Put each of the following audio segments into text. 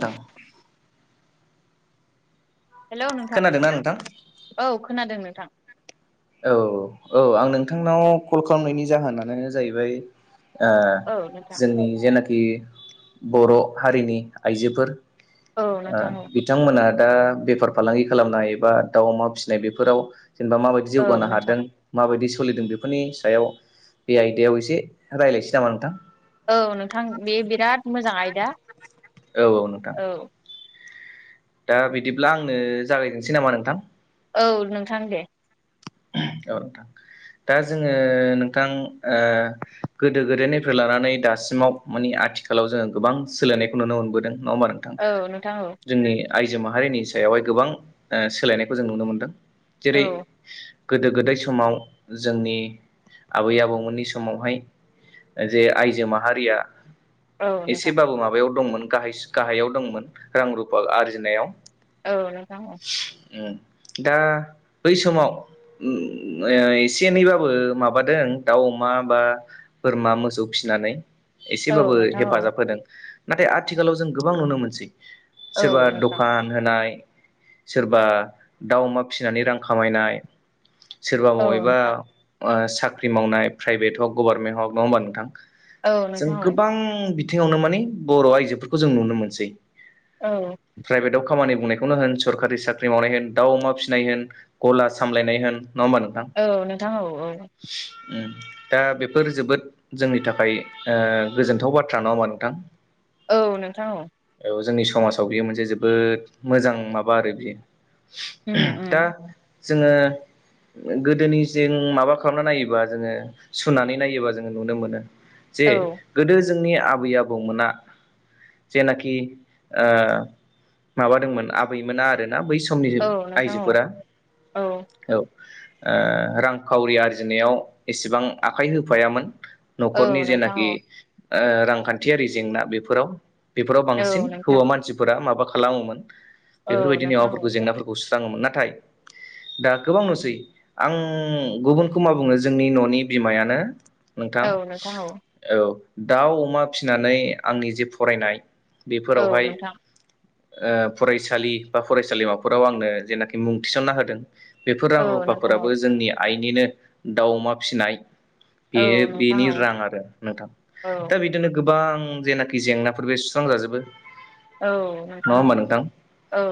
दां हेलौ नोंथां खोनादोंना नोंथां औ खोनादों नोंथां औ औ आं नोंथांनाव कल खालामनायनि जाहोनानो जायैबाय ओ औ नोंथां जोंनि जेनाखि बर हारिनि आइजोफोर औ ओ नोंथां औ बिथांमोना दा बेफार फालांगि खालामनाय बा दाउ अमा फिसिनाय बेफोराव जेनेबा माबायदि औ जौगानो नोंथां हादों माबायदि सलिदों बेफोरनि सायाव बे आयदायाव एसे रायलायसै नामा नोंथां औ नोंथां बे बिराद मोजां आयदा औ औ नोंथां औ दा बिदिब्ला आंनो जागायनोसै नामा नोंथां औ नोंथां दे [inaudible] औ नोंथां दा जोङो नोंथां ओ गोदो गोदायनिफ्राय लानानै दा सिमाव मानि आथिखालाव जोङो गोबां सोलायनायखौ नुनो मोनबोदों नङा होमबा नोंथां औ नोंथां औ जोंनि आइजो माहारिनि सायावहाय गोबां ओ सोलायनायखौ जों नुनो मोनदों जेरै औ गोदो गोदाय समाव जोंनि आबै आबौमोननि समावहाय जे आइजो माहारिया औ नोंथां एसेबाबो माबायाव दंमोन गाहाय गाहायाव दंमोन रां रुफा आरजिनायाव। औ नोंथां औ दा बै समाव ओ एसे एनैबाबो माबादों दाउ अमा बा बोरमा मोसौ फिसिनानै औ एसेबाबो नोंथां औ हेफाजाब होदों नाथाय आथिखालाव जों गोबां नुनो मोनसै औ सोरबा नोंथां दखान होनाय सोरबा दाउ अमा फिसिनानै रां खामायनाय सोरबा मबेबा औ साख्रि मावनाय प्राइभेट हक गभारनमेन्ट हक नङा होमबा नोंथां? जों नोंथां औ नोंथां औ गोबां बिथिङावनो माने बर' आइजोफोरखौ जों नुनो मोनसै। औ प्राइभेटाव खामानि बुंनायखौनो होन सोरखारि साख्रि मावनाय होन दाउ अमा फिसिनाय होन गला सामलायनाय होन नङा होमबा नोंथां औ नोंथां औ औ ओं दा बेफोर जोबोद जोंनि थाखाय ओ गोजोनथाव बाथ्रा नङा होनबा नोंथां। औ नोंथां औ औ जोंनि समाजाव बियो मोनसे जोबोद मोजां माबा आरो बियो। उम दा उम जोङो गोदोनिजों माबा खालामना नायोबा जोङो सुनानै नायोबा जोङो नुनो मोनो। जे औ गोदो जोंनि आबै आबौमोना जेनाखि माबादोंमोन आबैमोना आरो बा बै समनि औ नोंथां औ आइजोफोरा औ औ रांखावरि आरजिनायाव एसेबां आखाइ होफायामोन न'खरनि औ नोंथां जेनाखि औ रांखान्थियारि जेंना बेफोराव बेफोराव बांसिन औ नोंथां हौवा मानसिफोरा माबा खालामोमोन। औ बेफोरबायदिनो नोंथां माबाफोरखौ औ जेंनाफोरखौ सुस्राङोमोन नाथाय दा गोबां नुसै आं गुबुनखौ मा बुङो जोंनि न'नि बिमायानो नोंथां औ नोंथां औ औ दाउ, अमा फिसिनानै आंनि जे फरायनाय औ बेफोरावहाय नोंथां फरायसालि बा फरायसालिमाफोराव आंनो जेनाखि मुं थिसनना होदोंष बेफोर रां औ नोंथां औ रुफाफोराबो जोंनि आइनिनो दाउ अमा फिसिनाय बे औ नोंथां बेनि औ रां आरो नोंथां औ दा बिदिनो गोबां जेनाखि जेंनाफोरबो सुस्रांजाजोबोर औ नोंथां औ औ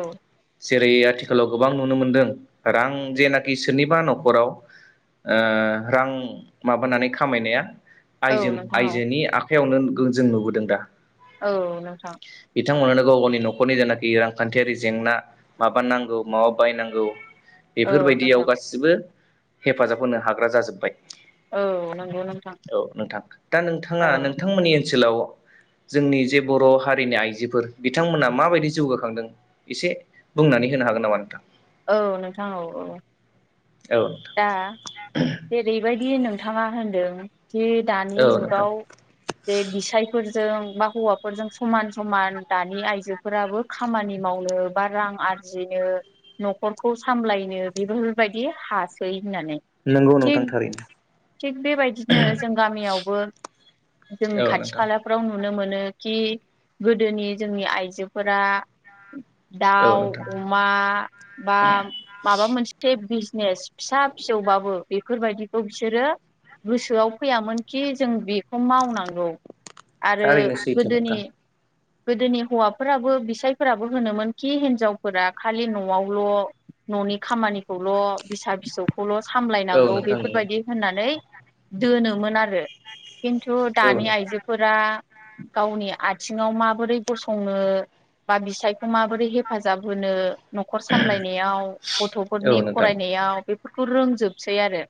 जेरै आथिखालाव गोबां नुनो मोनदों रां जेनाखि सोरनिबा न'खराव रां माबानानै खामायनाया औ आयजों नोंथां औ आयजोनि आखाइयावनो जों नुबोदों दा। औ नोंथां। बिथांमोनानो गाव गावनि न'खरनि जेनाखि रांखान्थियारि जेंना माबा नांगौ माबा बायनांगौ औ बेफोरबायदियाव नोंथां गासिबो हेफाजाब होनो हाग्रा जाजोब्बाय औ नंगौ नोंथां औ नोंथां दा नोंथाङा औ नोंथांमोननि ओनसोलाव जोंनि जे बर' हारिनि आइजोफोर बिथांमोना माबायदि जौगाखांदों एसे बुंनानै होनो हागोन‌‌ नामा नोंथां? औ नोंथां औ औ औ नोंथां दा जेरैबायदि नोंथाङा होनदों जि औ दानि नोंथां जुगाव जे बिसायफोर जों बा हौवाफोरजों समान समान दानि आइजोफोराबो खामानि मावनो बा रां आर आरजिनो न'खरखौ सामलायनो बेफोरबायदि हास नंगौ नोंथां थारैनो थिग बेबायदिनो जों गामियावबो जों औ खाथि नोंथां खालाफ्राव नुनो मोनो खि गोदोनि जोंनि आइजोफोरा औ दाउ नोंथां अमा बा माबा मोनसे बिजनेस फिसा फिसौबाबो बेफोरबायदिखौ बिसोरो गोसोआव फैयामोनखि जों बेखौ मावनांगौ आरो थारैनो सैथो गोदोनि नोंथां गोदोनि हौवाफोराबो बिसायफोराबो होनोमोन खि हिनजावफोरा खालि न'आवल' न'नि खामानिखौल' फिसा फिसौ खौल' औ सामलायनांगौ नोंथां नंगौ बेफोरबायदि होननानै दोनोमोन आरो खिन्थु औ दानि नोंथां आइजोफोरा गावनि आथिङाव मा बोरै गंनो बा बिसाय खौ माबोरै हेफाजाब होनो न'खर सामलायनायाव गथ'फोरनि औ नोंथां फरायनायाव बे फोर रोंजोबसै आरो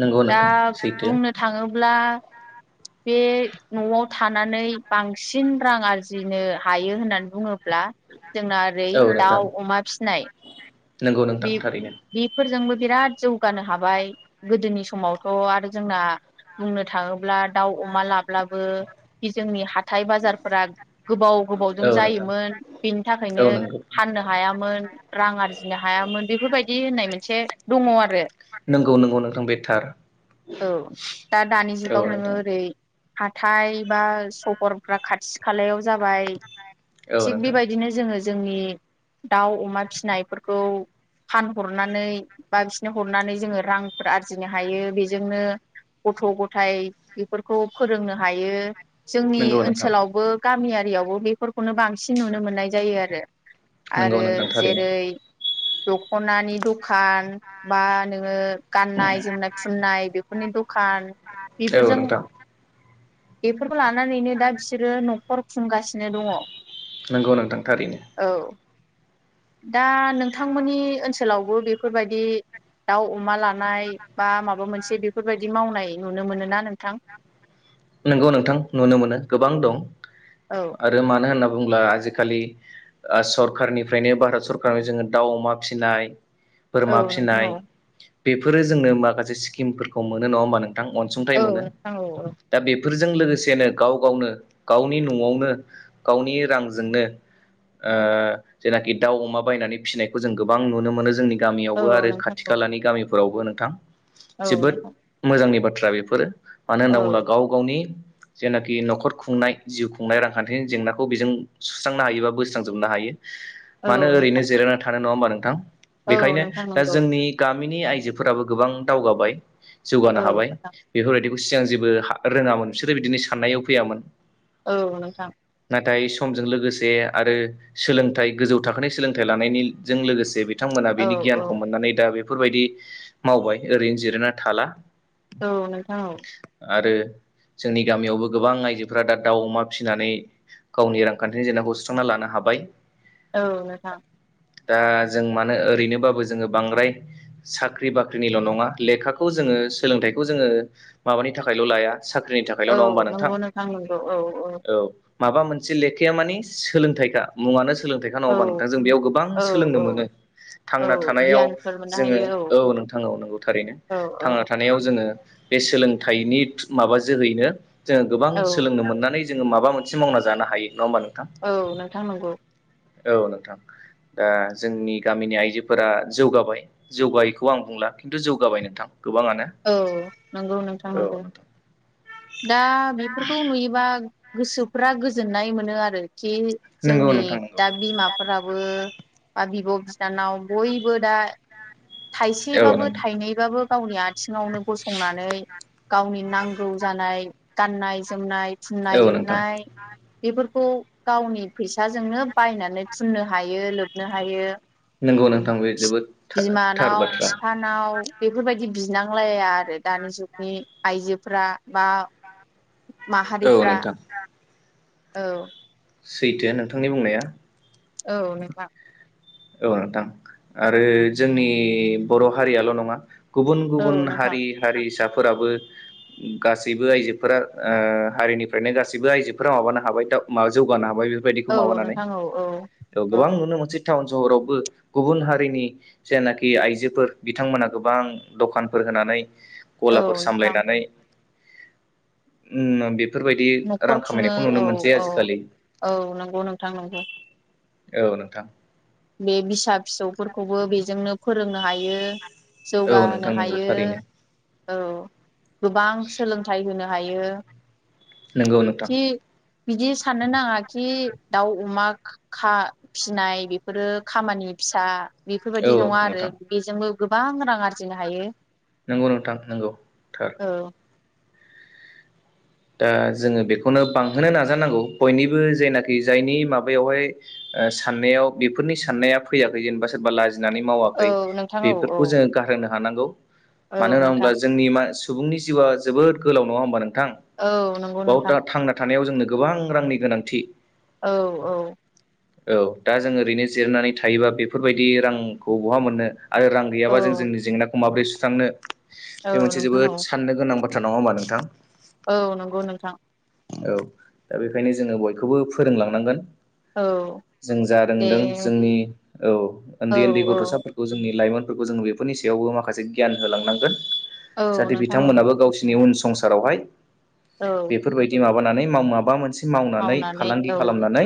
नंगौ दा नोंथां सैथो बुंनो थाङोब्ला बे न'आव थानानै बांसिन रां आरजि आरजिनो हायो होननानै बुङोब्ला जोंना ओरै औ नोंथां दाउ अमा फिसिनाय नंगौ नोंथां बे थारैनो बेफोरजोंबो बिराद जौगानो हाबाय गोदोनि समावथ' आरो जोंना बुंनो थाङोब्ला दाउ अमा लाब्लाबो बे जोंनि हाथाय बाजारफोरा गोबाव गोबावजों औ नोंथां जायोमोन बेनि औ थाखायनो नंगौ फाननो हायामोन रां आरजि हायामोन बेफोरबायदि होननाय मोनसे दङ आरो नंगौ नंगौ नोंथां बेथार औ दा दानि जुगाव नोङो ओरै हाथाय बा सहरफ्रा खाथि खालायाव जाबाय औ थिग नोंथां बेबायदिनो जोङो जोंनि दाउ अमा फिसिनायफोरखौ [unintelligible] फानहरनानै बा बिसनो हरनानै जोङो रांफोर आरजिनो हायो बेजोंनो गथ' गथायाइ बेफोरखौ फोरोंनो हायो जोंनि नंगौ नोंथां ओनसोलावबो गामियारियावबो बेफोरखौनो बांसिन नुनो मोननाय जायो आरो नंगौ आरो नोंथां थारैनो जेरै दखनानि दखान बा नोङो गाननाय जोमनाय फुननाय बेफोरनि दखान औ बेफोरजों नोंथां बेफोरखौ लानानैनो दा बिसोरो न'खर खुंगासिनो दङ नंगौ नोंथां थारैनो दा नोंथांमोननि ओनसोलावबो बेफोरबायदि दाउ अमा लानानै बा माबा मोनसे बेफोरबायदि मावनाय नुनो मोन ना नों नंगौ नोंथां नुनो मोनो गोबां दं औ आरो मानो होनोब बुंब्ला आजिखालि सरखारारनिफ्रायनो भारत सरकार जोङो दाउ अमा फिसिनाय औ बोरमा नोंथां फिनाय औ बेफोरो जोंनो माखासे स्किमफोरखौ मोनो नङा होमबा नोंथ गां अनसुंथाइ औ मोनो नोंथां औ औ दा बे बेफोरजों लोगोसेनो गाव गावनो गावनि न'आवनो गावनि रांजोंनो ओ जेनाखि दाउ अमा बायनानै फिसिनायखौ जों गोबां नुनो मोनो जोंनि गामियावबो आरो खाथि खालानि गामिफोरावबो नोंथां औ जोबोद नोंथां मोजांनि बाथ्रा बाथ्रा बेफोरो मानो औ होनना बुङोब्ला गाव गावनि जेनाखि नखर खुंनाय जिउ खुंनाय रांखान्थिनि जेंनाखौ बेजों सुस्रांनो हायोबा बोस्रांजोबनो हायो औ मानो ओरैनो नोंथां जिरायना थानो नङा होमबा नोंथां औ औ बेखायनो नोंथां औ नोंथां दा नंगौ जोंनि गामि गामिनि आइजोफोराबो गोबां दावगाबाय जौगानो औ हाबाय नोंथां बेफोरबायदि बे सिगां जेबो रोङामोन बिसोरो बिदिनो साननायाव फैयामोन औ नोंथां नाथाय समजों लोगोसे आरो सोलोंथाइ गोजौ थाखोनि सोलोंथाइ लानायनिजों लोगोसे बे बिथांमोना औ बिनि औ गियानखौ मोननानै दा बेफोरबायदि मावबाय ओरैनो जिरायना थाला औ औ आरो जोंनि गामियावबो गोबां आइजोफोरा दा दाउ अमा फिसिनानै गावनि रांखान्थिनि जेंनाखौ सुस्रांना लानो हाबाय औ नोंथां दा जों मानो ओरैनोबाबो जोङो बांद्राय साख्रि बाख्रिनिल' नङा लेखाखौ जों जोङो सोलोंथाइखौ जोङो माबानि थाखायल' लाया साख्रिनि थाखायल' औ नङा होनोमबा नोंथां नंगौ नंगौ औ औ माबा मोनसे लेखाया मानि सोलोंथाइखा मुङानो सोलोंथाइखौ औ नांगबा नोंथां जों बेयाव गोबां औ सोलोंनो मोनो औ औ थांना थानायाव गियानफोर मोननो जोङो हायो औ थांआव नांगौ थारैनो औ औ थांना थानायाव जोङो बे सोलोंथाइनि माबा जोहैनो जोङो गोबां औ सोलोंनो मोननानै जोङो माबा मोनसे मावना जानो हायो नङा होमबा नोंथां औ नोंथां नंगौ औ नोंथां दा जोंनि गामिनि आइजोफोरा जौगाबाय जौगायैखौ आं बुंला खिन्थु जौगाबाय नोंथां गोबाङानो औ नंगौ नोंथां औ नंगौ नोंथां दा बेफोरखौ नुयोबा गोसोफ्रा गोजोननाय मोनो आरो खि नंगौ जोंनि नोंथां नंगौ दा बिमाफोराबो बा बिब' बिनानाव बयबो दा औ थाइसेबाबो नोंथां थाइनैबाबो गावनि आ नो गंनानै गावनि नांगौ जानाय गनाय जोमनाय फुननाय, औ नोंथां लोबनाय बेफोरखौ गावनि फैसाजोंनो बायनानै फुननो हायो, लोबनो हायो, नंगौ नोंथां बे जोबोद था थार बाथ्रा बिमानाव-बिफानाव बेफोरबायदि बिनांलाया आरो दानि जुगनि आइजोफोरा बा औ माहारिफ्रा नोंथां औ सैथो नोंथांनि बुंनाया, औ नोंथां औ नोंथां आरो जोंनि बर' हारियाल' नंङा, औ गुबुन-गुबुन, नोंथां हारि-हारिसाफोर फोराबो गासैबो आइजोफोरा ओ हारिनिफ्रायनो गासैबो आइजोफोरा माबानो हाबाय, जौगानो हाबाय बेफोर बायदिखौ औ माबानै नोंथां औ औ औ गोबां नुनोमोनसै, टाउन स'हरावबो गुबुन हारिनि जेनाखि आइजोफोर बिथांमोना गोबां दखानफोर होनानै औ गलाफोर नोंथां सामलायनानै [inaudible] बेफोरबायदि रां न'खर खुङो खामायनायखौ नुनो औ मोनसै औ आजि-खालि, औ नंगौ नोंथां नंगौ औ नोंथां, बे बिसा-फिसौफोरखौबो बेजोंनो फोरोंनो हायो, औ नोंथां जौगाहोनो नंगौ हायो, थारैनो औ गोबां सोलोंथाइ होनो हायो, हायो, नोंगौ नोंथां, बिदि साननो नांङा खि दाउ अमा खा फिसिनाय बि बेफोरो खामानि फिसा औ बेफोरबायदि नंङा आरो नोंथां बेजोंबो गोबां रां आरजिनो हायो, नंगौ नोंथां नंगौ थार, औ दा जोंङो बेखौनो बांहोनो नाजानांगौ बयनिबो जेनाखि जायनि माबायावहाय साननायाव बेफोरनि साननाया फैयाखै जेनेबा सोरबा लाजि लाजिनानै औ मावाखै नोंथां औ औ बेफोरखौ जोंङो गार मोनो हानांगौ मानो औ होनना नोंथां बुंब्ला जोंनि मानसि सुबुंनि जिउआ जोबोद गोलाव नंङा होमबा नोंथां औ नंगौ बेयाव नोंथां दा थांना थानायाव जोंनो, गोबां रांनि गोनांथि औ औ औ दा जों ओरैनो जिरानानै थायोबा बेफोरबायदि रांखौ बहा मोननो। आरो रां औ गैयाबा जों जोंनि जेंनाखौ माबोरै सुस्रांनो औ बे मोनसे नोंथां जोबोद औ साननो गोनां बाथ् नंङा होनबा नोंथां? औ नंगौ नोंथां। औ दा बेखायनो जोंङो बयखौबो फोरोंलांनांगोन। औ जों जा दे रोंदों जोंनि औ औ ओन्दै ओन्दै औ गथसाफोरखौ जोंनि लाइमोन फोरखौ बेफोरनि सायाव माखासे गियान हांनांगोन औ जाहाथे नोंथां औ बिथांमोनाबो गावसोरनि उन संसारावहाय औ बेफोरबायदि माबानानै मा-माबा मोनसे मावनानै फालांगि खालामनानै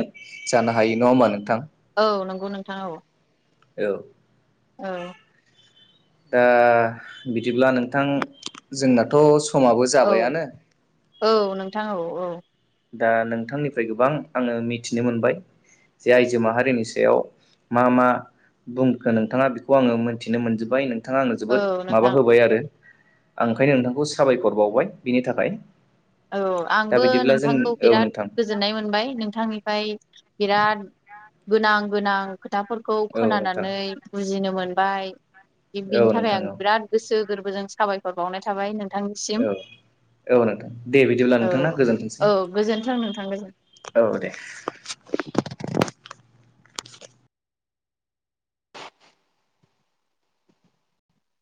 जानो हायो नंङा होमा नोंथां? औ नंगौ नोंथां औ औ औ दा बिदिब्ला नोंथां जोंनाथ समाबो औ जाबायानो। औ नोंथां औ औ दा नोंथांनिफ्राय गोबां आंङो मिथिनो मोनबाय। जे आइजो माहारिनि सायाव मा-मा बुंखो नोंथानङा बेखौ आंङो मोनथिनो मोनजोबबाय नों नोंथांङा आंनो औ जोबोद माबा नोंथां होबाय आरो आं ओंखायनो नोंथांखौ साबायखर बावबाय बिनि थाखाय। औ दा आंबो बिदिब्ला जों नोंथांखौ औ बिराद नोंथां गोजोननाय मोनबाय नोंथांनिफ्राय बिराद गोनां-गोनां खोथाफोरखौ औ नोंथां खोनानानै बुजिनो मोन बाय औ बिबदिनि‌ थाखाय नोंथां आं औ बिराद गोसो गोरबोजों साबायखर बावनाय थाबाय नोंथां। औ औ नोंथां दे बिदिब्ला औ नोंथां ना गोजोन्थोंसै। औ गोजोन्थों नोंथां गोजोन औ दे।